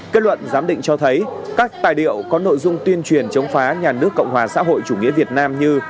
kết luận giám định cho thấy các tài liệu có nội dung tuyên truyền chống phá nhà nước cộng hòa xã hội chủ nghĩa việt nam như